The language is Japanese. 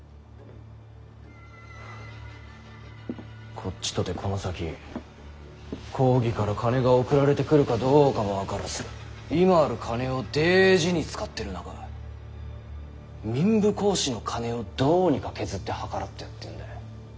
こっちとてこの先公儀から金が送られてくるかどうかも分からず今ある金を大事に使ってる中民部公子の金をどうにか削って計らってやってんだ。